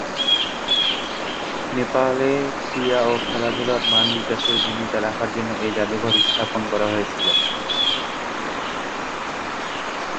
নেপালে ক্রীড়া ও খেলাধুলার মান বিকাশে ভূমিকা রাখার জন্য এই জাদুঘর স্থাপন করা হয়েছিল।